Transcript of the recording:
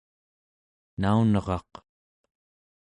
naunraq